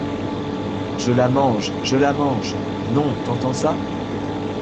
Je la mange ! je la mange ! non, t’entends ça ?